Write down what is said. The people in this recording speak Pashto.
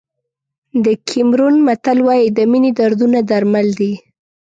د کیمرون متل وایي د مینې دردونه درمل دي.